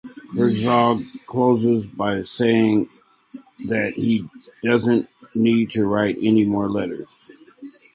Herzog closes by saying that he doesn't need to write any more letters.